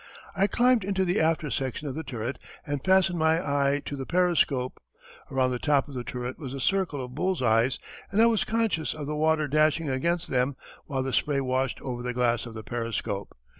I climbed into the after section of the turret and fastened my eye to the periscope. Around the top of the turret was a circle of bulls' eyes and I was conscious of the water dashing against them while the spray washed over the glass of the periscope.